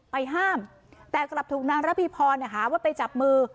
ห้ามแต่กลับถูกนางระพีพรหาว่าไปจับมือ